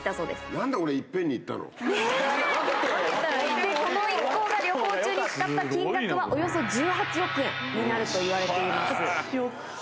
なんでこれ、いっぺんに行っこの一行が旅行中に使った金額は、およそ１８億円になるといわれています。